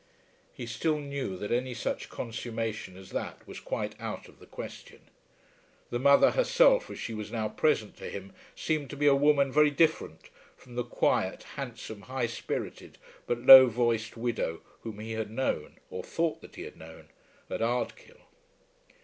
He still knew that any such consummation as that was quite out of the question. The mother herself as she was now present to him, seemed to be a woman very different from the quiet, handsome, high spirited, but low voiced widow whom he had known, or thought that he had known, at Ardkill.